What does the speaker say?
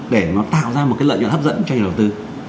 để nó tạo ra một cái lợi nhuận hấp dẫn cho nhà đầu tư